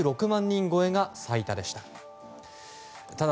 人超えが最多でした。